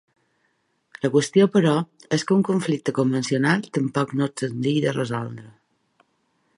La qüestió, però, és que un conflicte convencional tampoc no és senzill de resoldre.